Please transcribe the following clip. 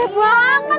ayo silahkan turun ade